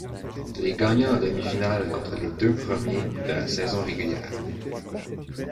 Les gagnants en demi-finale contre les deux premiers de la saison régulière.